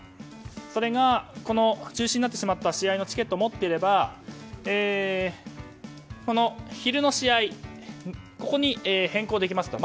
それが、中止になってしまった試合のチケットを持っていれば昼の試合に変更できますと。